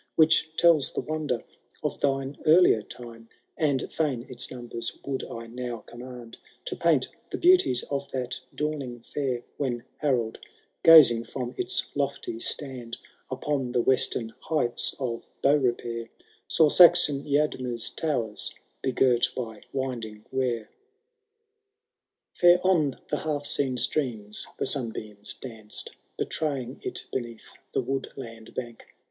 Which tells the wonder of thine earlira time ; And fain its numbers would I now command To paint the beauties of that dawning fiur, When Harold, gazing from its lofty stand Upon the western heights of Beaurepaire, Saw Saxon ESadmer's towers begirt by winding Wear. II. Fair on the half seen streams the sunbeams danced. Betraying it beneath the woodland bank.